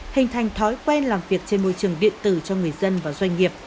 hình thành thói quen làm việc trên môi trường điện tử cho người dân và doanh nghiệp